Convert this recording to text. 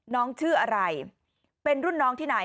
น้องชื่ออะไรเป็นรุ่นน้องที่ไหน